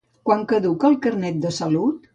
Quan caduca el Carnet de salut?